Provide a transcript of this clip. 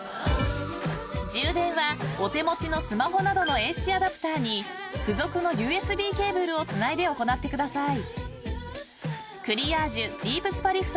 ［充電はお手持ちのスマホなどのＡＣアダプターに付属のＵＳＢケーブルをつないで行ってください］